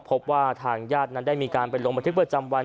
พบว่าทางญาตินั้นได้มีการไปลงบันทึกประจำวัน